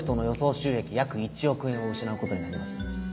収益約１億円を失うことになります。